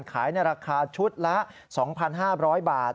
ขายในราคาชุดละ๒๕๐๐บาท